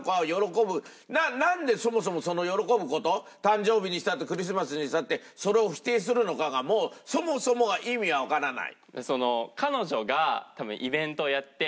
なんでそもそも喜ぶ事誕生日にしたってクリスマスにしたってそれを否定するのかがもうそもそもが意味がわからない。